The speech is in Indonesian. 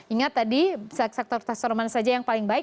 ingat tadi sektor transform mana saja yang paling baik